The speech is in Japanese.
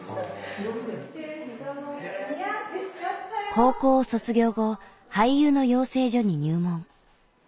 高校を卒業後俳優の養成所に入門。